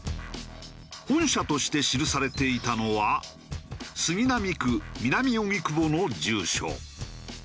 本社として記されていたのは杉並区南荻窪の住所。